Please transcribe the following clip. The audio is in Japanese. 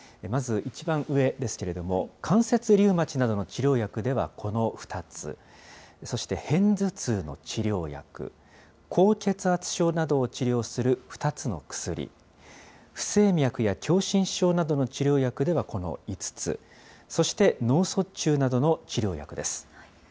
まず、一番上ですけれども、関節リウマチなどの治療薬ではこの２つ、そして偏頭痛の治療薬、高血圧症などを治療する２つの薬、不整脈や狭心症などの治療薬ではこの５つ、そして脳卒中などの治療薬です。